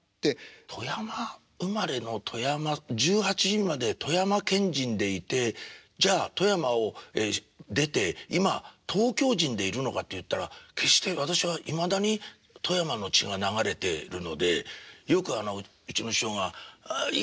富山生まれの富山１８まで富山県人でいてじゃあ富山を出て今東京人でいるのかっていったら決して私はいまだに富山の血が流れてるのでよくあのうちの師匠が「ああいいか？